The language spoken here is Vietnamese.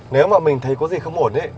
nếu mà mình thấy có gì không ổn